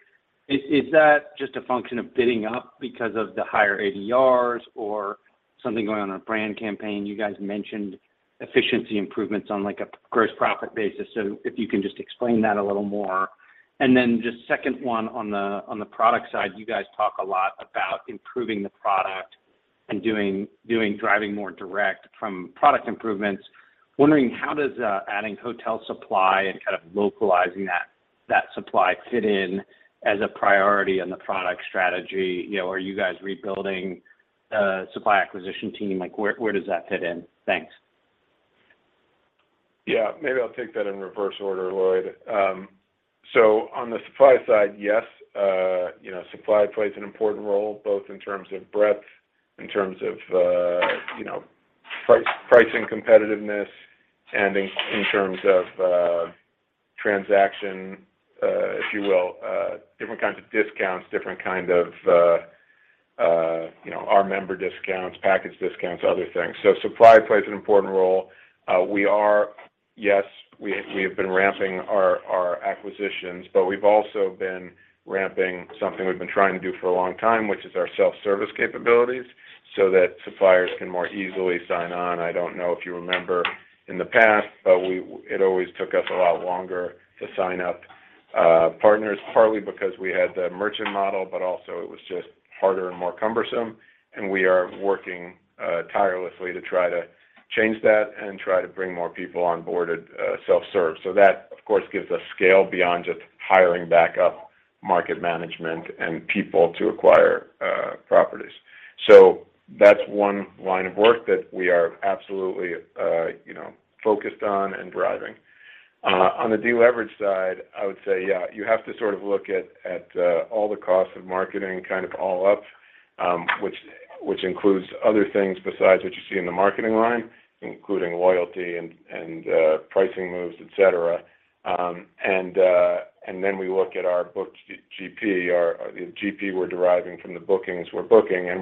Is that just a function of bidding up because of the higher ADRs or something going on with brand campaign? You guys mentioned efficiency improvements on like a gross profit basis. So if you can just explain that a little more. Just second one on the product side, you guys talk a lot about improving the product and driving more direct from product improvements. Wondering how does adding hotel supply and kind of localizing that That supply fit in as a priority in the product strategy. You know, are you guys rebuilding supply acquisition team? Like, where does that fit in? Thanks. Yeah. Maybe I'll take that in reverse order, Lloyd. On the supply side, yes, you know, supply plays an important role both in terms of breadth, in terms of pricing competitiveness, and in terms of transaction, if you will, different kinds of discounts, our member discounts, package discounts, other things. Supply plays an important role. Yes, we have been ramping our acquisitions, but we've also been ramping something we've been trying to do for a long time, which is our self-service capabilities so that suppliers can more easily sign on. I don't know if you remember in the past, but it always took us a lot longer to sign up partners, partly because we had the merchant model, but also it was just harder and more cumbersome, and we are working tirelessly to try to change that and try to bring more people on board at self-serve. That, of course, gives us scale beyond just hiring back up market management and people to acquire properties. That's one line of work that we are absolutely you know focused on and driving. On the deleverage side, I would say, yeah, you have to sort of look at all the costs of marketing kind of all up, which includes other things besides what you see in the marketing line, including loyalty and pricing moves, et cetera. We look at our book GP, our GP we're deriving from the bookings we're booking, and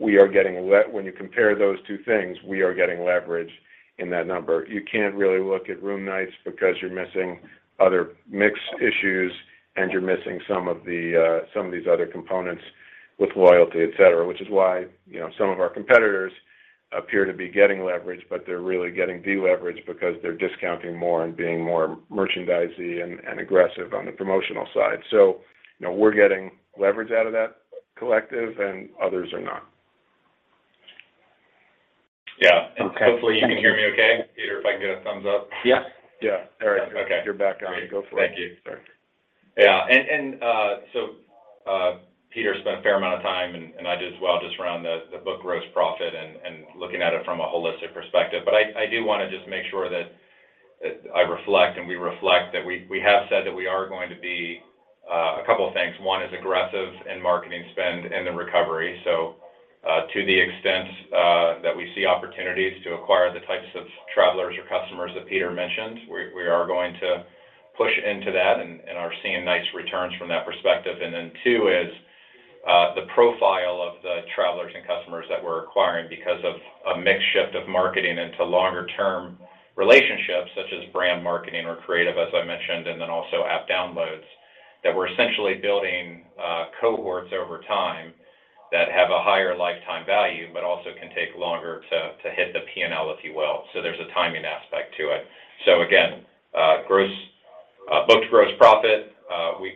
we are getting leverage. When you compare those two things, we are getting leverage in that number. You can't really look at room nights because you're missing other mix issues, and you're missing some of the, some of these other components with loyalty, et cetera, which is why, you know, some of our competitors appear to be getting leverage, but they're really getting deleverage because they're discounting more and being more merchandisey and aggressive on the promotional side. You know, we're getting leverage out of that collective, and others are not. Yeah. Hopefully you can hear me okay. Peter, if I can get a thumbs up. Yeah. Yeah. All right. Okay. You're back on. Go for it. Thank you. Yeah. Peter spent a fair amount of time, and I did as well, just around the book gross profit and looking at it from a holistic perspective. I do wanna just make sure that I reflect, and we reflect that we have said that we are going to be a couple of things. One is aggressive in marketing spend in the recovery. To the extent that we see opportunities to acquire the types of travelers or customers that Peter mentioned, we are going to push into that and are seeing nice returns from that perspective. Two is, the profile of the travelers and customers that we're acquiring because of a mix shift of marketing into longer-term relationships, such as brand marketing or creative, as I mentioned, and then also app downloads, that we're essentially building cohorts over time that have a higher lifetime value, but also can take longer to hit the P&L, if you will. There's a timing aspect to it. Again, booked gross profit,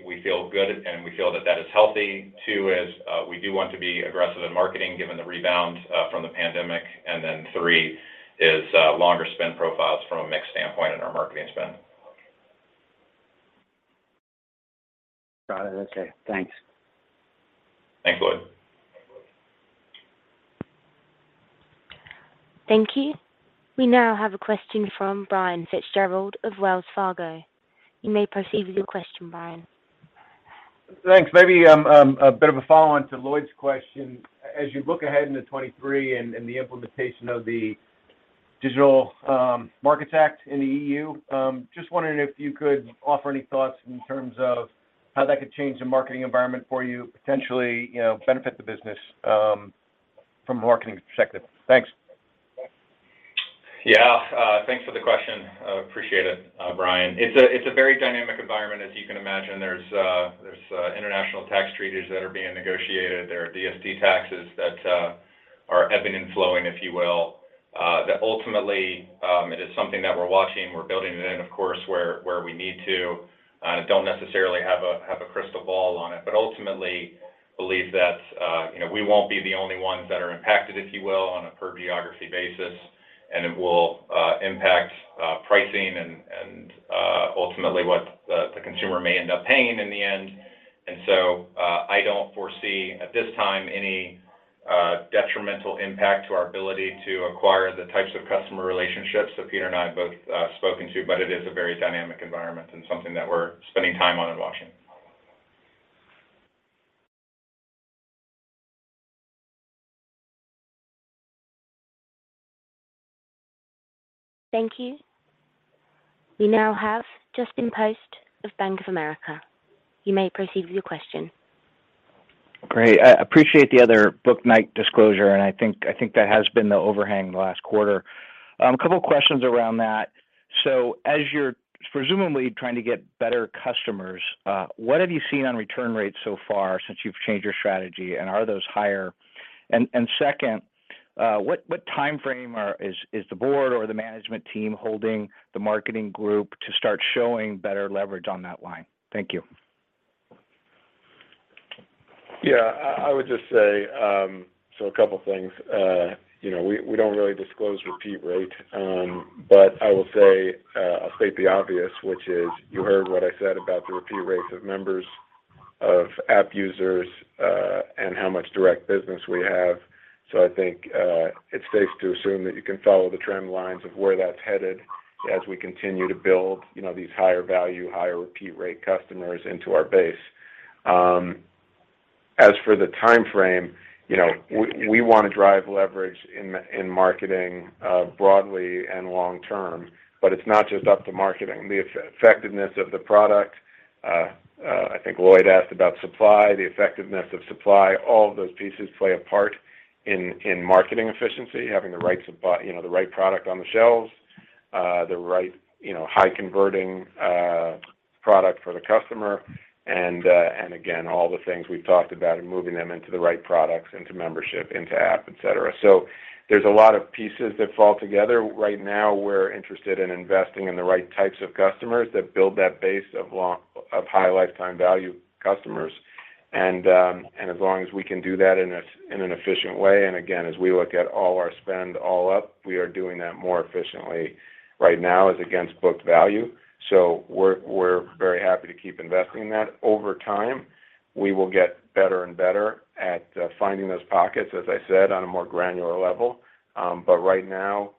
we feel good, and we feel that is healthy. Two is, we do want to be aggressive in marketing given the rebound from the pandemic. Three is, longer spend profiles from a mix standpoint in our marketing spend. Got it. Okay. Thanks. Thanks, Lloyd. Thank you. We now have a question from Brian Fitzgerald of Wells Fargo. You may proceed with your question, Brian. Thanks. Maybe a bit of a follow-on to Lloyd's question. As you look ahead into 2023 and the implementation of the Digital Markets Act in the EU, just wondering if you could offer any thoughts in terms of how that could change the marketing environment for you, potentially, you know, benefit the business, from a marketing perspective. Thanks. Yeah. Thanks for the question. I appreciate it, Brian. It's a very dynamic environment, as you can imagine. There's international tax treaties that are being negotiated. There are DST taxes that are ebbing and flowing, if you will. That ultimately it is something that we're watching, we're building it in, of course, where we need to. Don't necessarily have a crystal ball on it, but ultimately believe that, you know, we won't be the only ones that are impacted, if you will, on a per geography basis, and it will impact pricing and ultimately what the consumer may end up paying in the end. I don't foresee, at this time, any detrimental impact to our ability to acquire the types of customer relationships that Peter and I have both spoken to, but it is a very dynamic environment and something that we're spending time on and watching. Thank you. We now have Justin Post of Bank of America. You may proceed with your question. Great. I appreciate the other book night disclosure, and I think that has been the overhang the last quarter. A couple questions around that. As you're presumably trying to get better customers, what have you seen on return rates so far since you've changed your strategy, and are those higher? Second, what timeframe is the board or the management team holding the marketing group to start showing better leverage on that line? Thank you. Yeah, I would just say a couple things. You know, we don't really disclose repeat rate. But I will say, I'll state the obvious, which is you heard what I said about the repeat rates of members of app users, and how much direct business we have. I think it's safe to assume that you can follow the trend lines of where that's headed as we continue to build, you know, these higher value, higher repeat rate customers into our base. As for the timeframe, you know, we wanna drive leverage in marketing, broadly and long term, but it's not just up to marketing. The effectiveness of the product, I think Lloyd asked about supply, the effectiveness of supply. All of those pieces play a part in marketing efficiency, having the right you know, the right product on the shelves, the right, you know, high converting product for the customer, and again, all the things we've talked about in moving them into the right products, into membership, into app, et cetera. There's a lot of pieces that fall together. Right now, we're interested in investing in the right types of customers that build that base of high lifetime value customers. As long as we can do that in an efficient way, and again, as we look at all our spend all up, we are doing that more efficiently. Right now is against booked value, so we're very happy to keep investing in that. Over time, we will get better and better at finding those pockets, as I said, on a more granular level. Right now,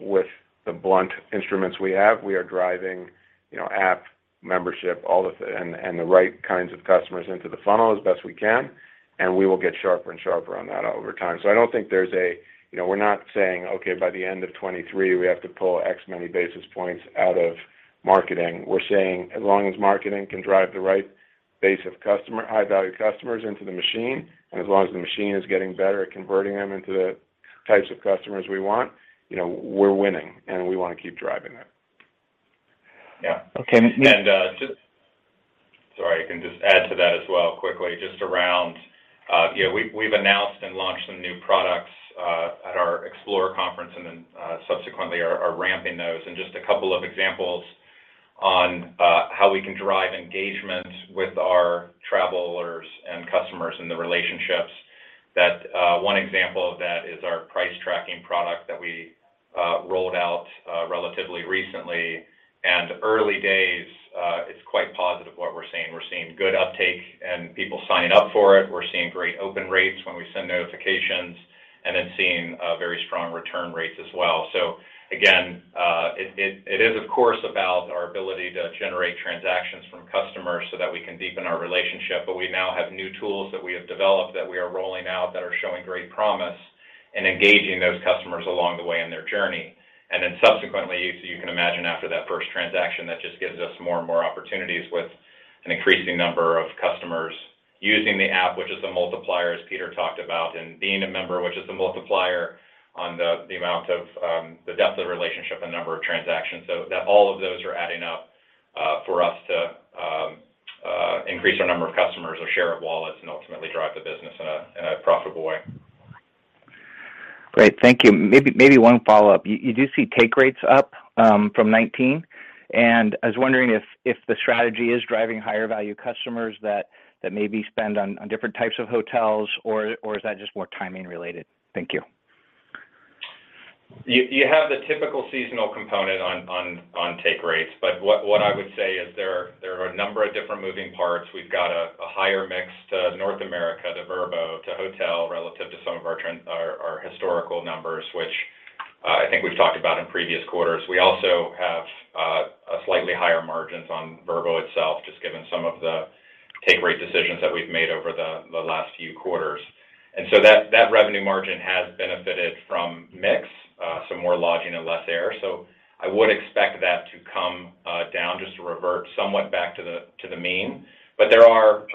with the blunt instruments we have, we are driving, you know, app membership, all of the and the right kinds of customers into the funnel as best we can, and we will get sharper and sharper on that over time. I don't think there's a, you know, we're not saying, "Okay, by the end of 2023, we have to pull X many basis points out of marketing." We're saying, as long as marketing can drive the right base of customer, high value customers into the machine, and as long as the machine is getting better at converting them into the types of customers we want, you know, we're winning, and we wanna keep driving that. Yeah. Okay. Sorry, if I can just add to that as well quickly, just around, we've announced and launched some new products at our EXPLORE conference and then subsequently are ramping those. Just a couple of examples on how we can drive engagement with our travelers and customers in the relationships that one example of that is our price tracking product that we rolled out relatively recently. Early days, it's quite positive what we're seeing. We're seeing good uptake and people signing up for it. We're seeing great open rates when we send notifications, and then seeing very strong return rates as well. Again, it is of course about our ability to generate transactions from customers so that we can deepen our relationship, but we now have new tools that we have developed that we are rolling out that are showing great promise in engaging those customers along the way in their journey. Then subsequently, you can imagine after that first transaction, that just gives us more and more opportunities with an increasing number of customers using the app, which is the multiplier, as Peter talked about, and being a member, which is the multiplier on the amount of the depth of the relationship and number of transactions. That all of those are adding up for us to increase our number of customers or share of wallets and ultimately drive the business in a profitable way. Great. Thank you. Maybe one follow-up. You do see take rates up from 19%, and I was wondering if the strategy is driving higher value customers that maybe spend on different types of hotels or is that just more timing related? Thank you. You have the typical seasonal component on take rates, but what I would say is there are a number of different moving parts. We've got a higher mix to North America, to Vrbo, to hotel relative to some of our historical numbers, which I think we've talked about in previous quarters. We also have a slightly higher margins on Vrbo itself, just given some of the take rate decisions that we've made over the last few quarters. That revenue margin has benefited from mix, some more lodging and less air. I would expect that to come down just to revert somewhat back to the mean. There are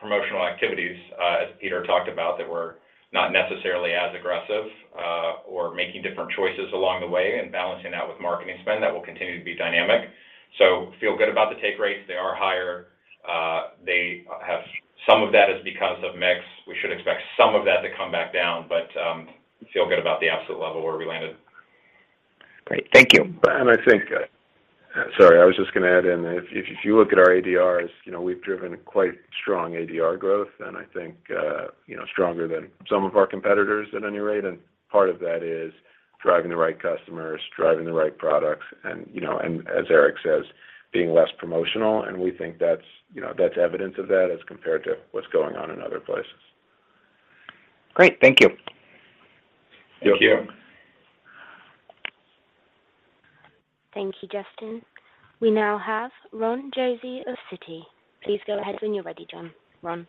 promotional activities, as Peter talked about, that we're not necessarily as aggressive, or making different choices along the way and balancing that with marketing spend that will continue to be dynamic. Feel good about the take rates. They are higher. Some of that is because of mix. We should expect some of that to come back down, but feel good about the absolute level where we landed. Great. Thank you. I think. Sorry, I was just gonna add in, if you look at our ADRs, you know, we've driven quite strong ADR growth, and I think, you know, stronger than some of our competitors at any rate, and part of that is driving the right customers, driving the right products, and, you know, and as Eric says, being less promotional, and we think that's, you know, that's evidence of that as compared to what's going on in other places. Great. Thank you. Thank you. Thank you. Thank you, Justin. We now have Ron Josey of Citi. Please go ahead when you're ready, Ron.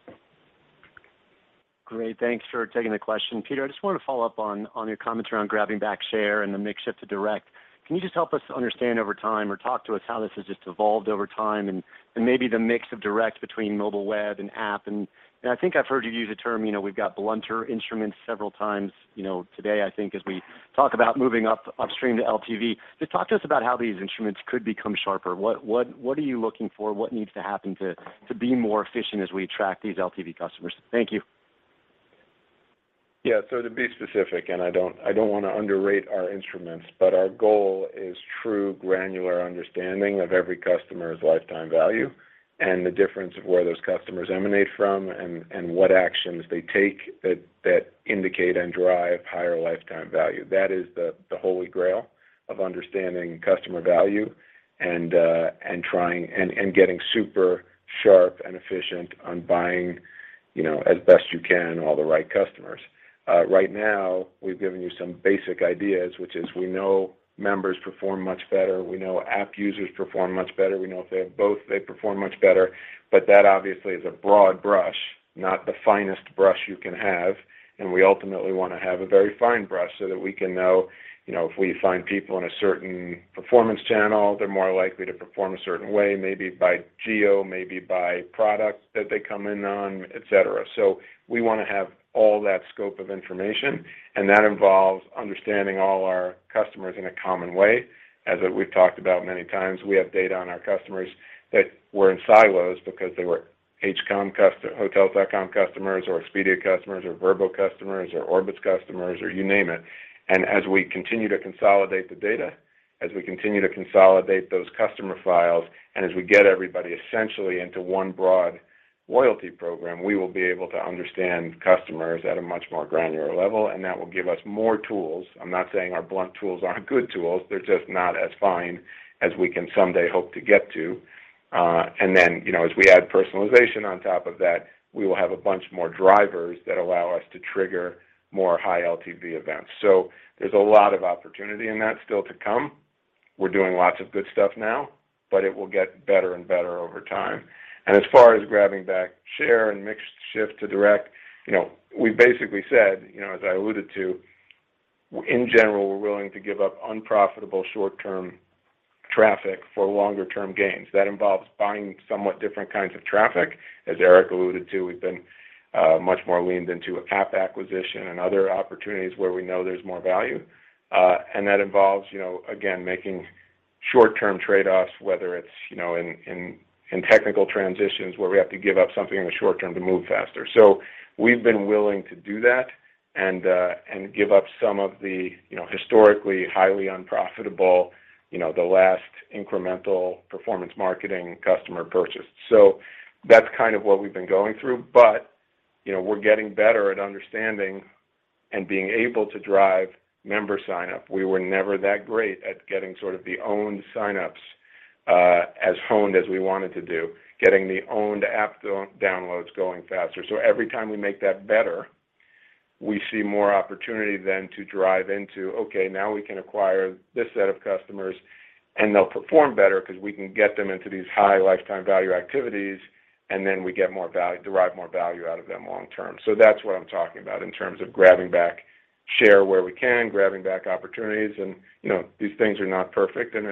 Great. Thanks for taking the question. Peter, I just wanted to follow up on your comments around grabbing back share and the mix shift to direct. Can you just help us understand over time or talk to us how this has just evolved over time and maybe the mix of direct between mobile web and app? I think I've heard you use the term, you know, we've got blunter instruments several times, you know, today, I think, as we talk about moving upstream to LTV. Just talk to us about how these instruments could become sharper. What are you looking for? What needs to happen to be more efficient as we attract these LTV customers? Thank you. Yeah. To be specific, I don't wanna underrate our instruments, but our goal is true granular understanding of every customer's lifetime value and the difference of where those customers emanate from and what actions they take that indicate and drive higher lifetime value. That is the holy grail of understanding customer value and trying and getting super sharp and efficient on buying, you know, as best you can, all the right customers. Right now, we've given you some basic ideas, which is we know members perform much better. We know app users perform much better. We know if they have both, they perform much better. That obviously is a broad brush, not the finest brush you can have, and we ultimately wanna have a very fine brush so that we can know, you know, if we find people in a certain performance channel, they're more likely to perform a certain way, maybe by geo, maybe by product that they come in on, et cetera. So we wanna have all that scope of information, and that involves understanding all our customers in a common way. As we've talked about many times, we have data on our customers that were in silos because they were Hotels.com customers or Expedia customers or Vrbo customers or Orbitz customers or you name it. As we continue to consolidate the data, as we continue to consolidate those customer files, and as we get everybody essentially into one broad loyalty program, we will be able to understand customers at a much more granular level, and that will give us more tools. I'm not saying our blunt tools aren't good tools. They're just not as fine as we can someday hope to get to. You know, as we add personalization on top of that, we will have a bunch more drivers that allow us to trigger more high LTV events. There's a lot of opportunity in that still to come. We're doing lots of good stuff now, but it will get better and better over time. As far as grabbing back share and mixed shift to direct, you know, we basically said, you know, as I alluded to, in general, we're willing to give up unprofitable short-term traffic for longer term gains. That involves buying somewhat different kinds of traffic. As Eric alluded to, we've been much more leaned into app acquisition and other opportunities where we know there's more value. That involves, you know, again, making short-term trade-offs, whether it's, you know, in technical transitions where we have to give up something in the short term to move faster. We've been willing to do that and give up some of the, you know, historically highly unprofitable, you know, the last incremental performance marketing customer purchase. That's kind of what we've been going through, but, you know, we're getting better at understanding and being able to drive member sign-up. We were never that great at getting sort of the owned sign-ups, as honed as we wanted to do, getting the owned app downloads going faster. Every time we make that better, we see more opportunity then to drive into, okay, now we can acquire this set of customers, and they'll perform better because we can get them into these high lifetime value activities, and then we get more value, derive more value out of them long term. That's what I'm talking about in terms of grabbing back share where we can, grabbing back opportunities and, you know, these things are not perfect. As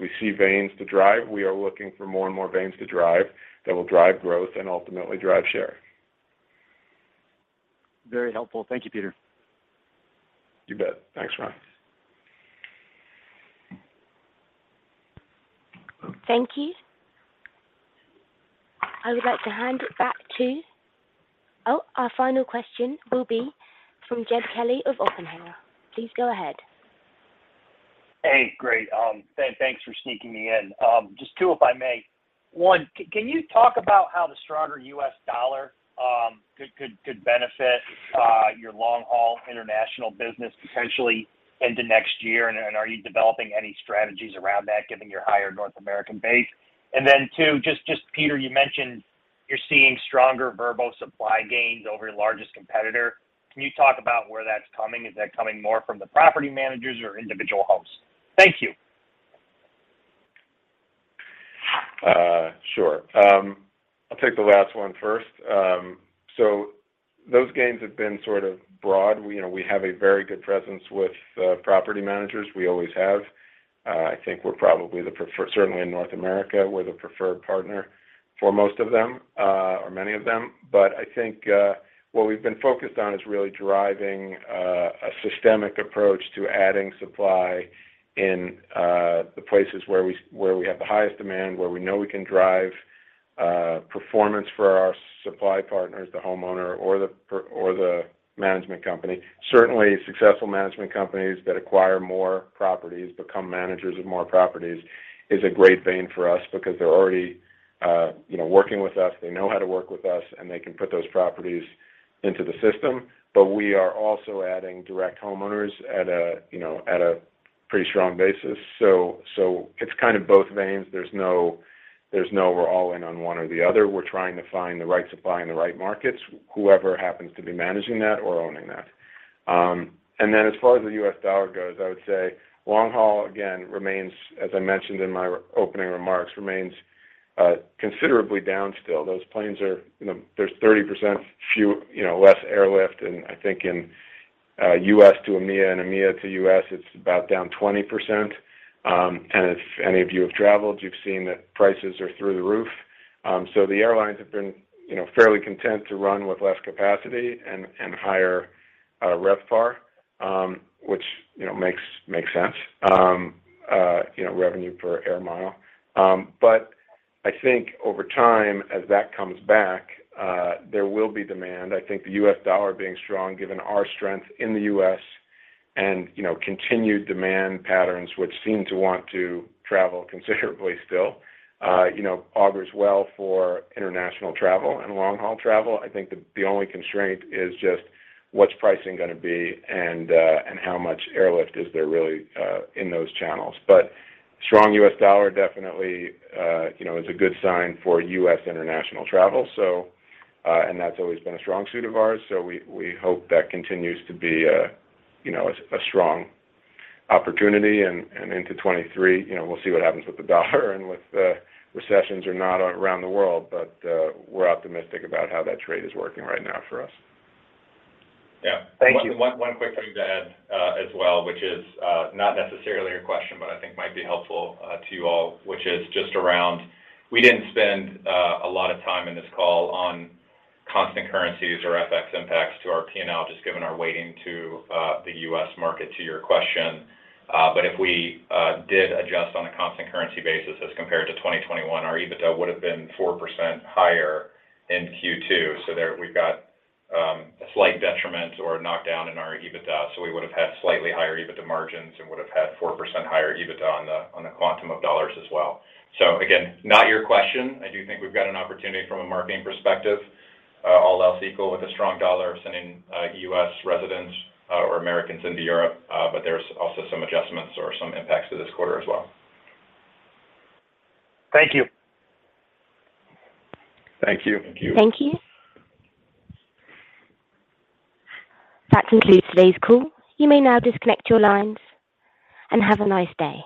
we see ways to drive, we are looking for more and more ways to drive that will drive growth and ultimately drive share. Very helpful. Thank you, Peter. You bet. Thanks, Ron. Thank you. I would like to hand it back. Our final question will be from Jed Kelly of Oppenheimer. Please go ahead. Hey. Great. Thanks for sneaking me in. Just two, if I may. One, can you talk about how the stronger U.S. dollar could benefit your long-haul international business potentially into next year? Are you developing any strategies around that given your higher North American base? Two, just Peter, you mentioned you're seeing stronger Vrbo supply gains over your largest competitor. Can you talk about where that's coming? Is that coming more from the property managers or individual hosts? Thank you. Sure. I'll take the last one first. Those gains have been sort of broad. You know, we have a very good presence with property managers. We always have. I think we're probably the preferred, certainly in North America, we're the preferred partner for most of them. I think what we've been focused on is really driving a systemic approach to adding supply in the places where we have the highest demand, where we know we can drive performance for our supply partners, the homeowner or the management company. Certainly, successful management companies that acquire more properties, become managers of more properties is a great thing for us because they're already, you know, working with us. They know how to work with us, and they can put those properties into the system. We are also adding direct homeowners at a pretty strong basis. It's kind of both veins. There's no we're all in on one or the other. We're trying to find the right supply in the right markets, whoever happens to be managing that or owning that. Then as far as the U.S. dollar goes, I would say long-haul, again, remains, as I mentioned in my opening remarks, considerably down still. Those planes are 30% fewer, less airlift. I think in U.S. to EMEA and EMEA to U.S., it's about down 20%. If any of you have traveled, you've seen that prices are through the roof. The airlines have been, you know, fairly content to run with less capacity and higher RevPar, which, you know, makes sense, you know, revenue per air mile. I think over time, as that comes back, there will be demand. I think the U.S. dollar being strong, given our strength in the U.S. and, you know, continued demand patterns, which seem to want to travel considerably still, you know, augurs well for international travel and long-haul travel. I think the only constraint is just what's pricing gonna be and how much airlift is there really in those channels. Strong U.S. dollar definitely, you know, is a good sign for U.S. international travel. That's always been a strong suit of ours. We hope that continues to be a, you know, strong opportunity and into 2023, you know, we'll see what happens with the U.S. dollar and with the recessions or not around the world. We're optimistic about how that trade is working right now for us. Yeah. Thank you. One quick thing to add, as well, which is not necessarily a question, but I think might be helpful to you all, which is just around we didn't spend a lot of time in this call on constant currencies or FX impacts to our P&L, just given our weighting to the U.S. market to your question. If we did adjust on a constant currency basis as compared to 2021, our EBITDA would have been 4% higher in Q2. There we've got a slight detriment or a knockdown in our EBITDA. We would have had slightly higher EBITDA margins and would have had 4% higher EBITDA on the quantum of dollars as well. Again, not your question. I do think we've got an opportunity from a marketing perspective, all else equal with a strong dollar sending U.S. residents or Americans into Europe. There's also some adjustments or some impacts to this quarter as well. Thank you. Thank you. Thank you. Thank you. That concludes today's call. You may now disconnect your lines and have a nice day.